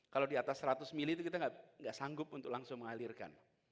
kalau di atas seratus mili itu kita tidak sanggup untuk langsung mengalirkan